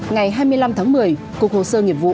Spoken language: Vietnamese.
ngày hai mươi năm tháng một mươi cục hồ sơ nghiệp vụ